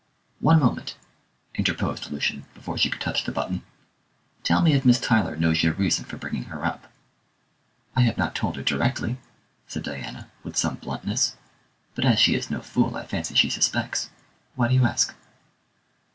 "One moment," interposed Lucian, before she could touch the button. "Tell me if Miss Tyler knows your reason for bringing her up." "I have not told her directly," said Diana, with some bluntness, "but as she is no fool, I fancy she suspects. Why do you ask?"